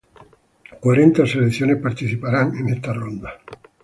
Cuarenta selecciones participarán en esta ronda.